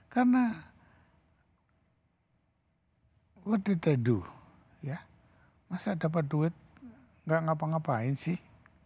karena what did they do ya masih dapat duit gak ngapa ngapain sih